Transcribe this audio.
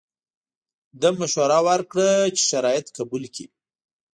ده مشوره ورکړه چې شرایط قبول کړي.